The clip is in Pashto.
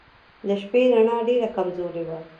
د شپې رڼا ډېره کمزورې وه.